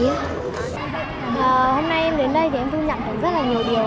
hôm nay em đến đây thì em thu nhận thấy rất là nhiều điều